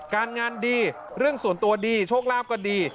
การงานดีเรื่องส่วนตัวดีโชคลาภก็ดี